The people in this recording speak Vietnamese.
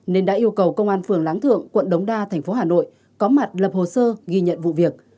nên đã yêu cầu công an phường láng thượng quận đống đa thành phố hà nội có mặt lập hồ sơ ghi nhận vụ việc